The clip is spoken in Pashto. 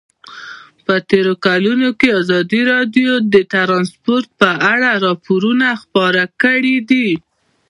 په تېرو کلونو کې ازادي راډیو د ترانسپورټ په اړه راپورونه خپاره کړي دي.